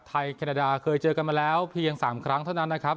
แคนาดาเคยเจอกันมาแล้วเพียง๓ครั้งเท่านั้นนะครับ